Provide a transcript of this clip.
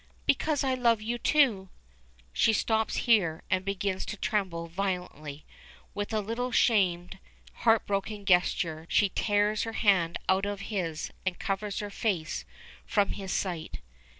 "Because I love you too!" She stops short here, and begins to tremble violently. With a little shamed, heartbroken gesture she tears her hand out of his and covers her face from his sight.